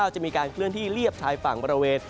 จะมีการเคลื่อนที่เรียบชายฝั่งบริเวณ